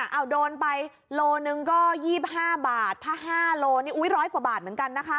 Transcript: เอาโดนไปโลหนึ่งก็๒๕บาทถ้า๕โลนี่อุ๊ย๑๐๐กว่าบาทเหมือนกันนะคะ